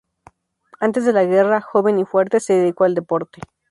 Antes de la guerra, joven y fuerte, se dedicó al deporte.